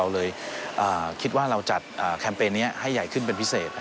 เลยคิดว่าเราจัดแคมเปญนี้ให้ใหญ่ขึ้นเป็นพิเศษ